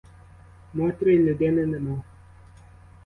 Мотрі — людини нема.